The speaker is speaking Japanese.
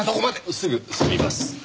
すぐ済みます。